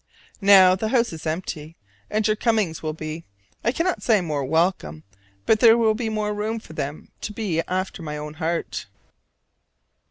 Now the house is empty, and your comings will be I cannot say more welcome: but there will be more room for them to be after my own heart.